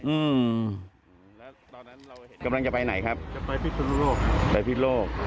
อืมตอนนั้นเราเห็นกำลังจะไปไหนครับจะไปพิสนุโลกไปพิสโลก